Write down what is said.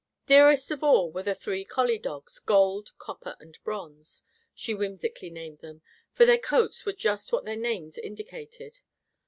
Dearest of all were the three collie dogs; Gold, Copper and Bronze, she whimsically named them, for their coats were just what their names indicated.